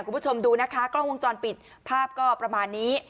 คุณผู้ชมดูนะคะกล้องวงจรปิดภาพก็ประมาณนี้